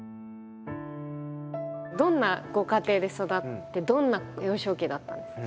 どんなご家庭で育ってどんな幼少期だったんですか？